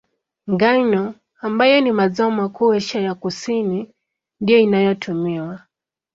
Ngano, ambayo ni mazao makuu Asia ya Kusini, ndiyo inayotumiwa.